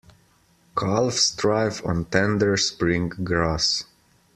Calves thrive on tender spring grass.